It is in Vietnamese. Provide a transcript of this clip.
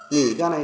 nghỉ ca này